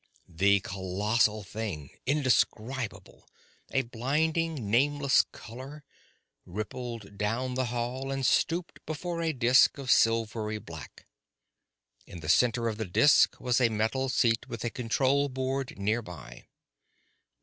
The colossal thing, indescribable, a blinding, nameless color, rippled down the hall and stooped before a disk of silvery black. In the center of the disk was a metal seat with a control board near by.